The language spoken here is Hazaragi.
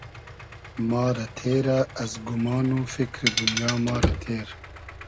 ما رۂ تېرۂ از گومان و فیکری دونیا ما رۂ تېر